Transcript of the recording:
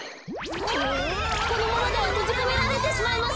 このままではとじこめられてしまいますよ。